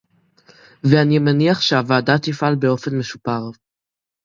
ואני מניח שהוועדה תפעל באופן משופר